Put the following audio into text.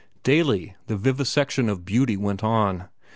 Daily the vivisection of Beauty went on.